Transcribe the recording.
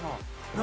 何？